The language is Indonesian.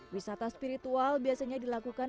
wisata spiritual biasanya dilakukan